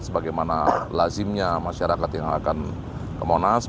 sebagaimana lazimnya masyarakat yang akan ke monas